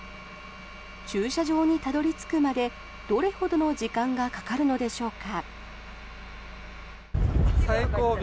駐車場にたどり着くまでどれほどの時間がかかるのでしょうか。